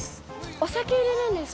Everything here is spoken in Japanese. お酒入れるんですか？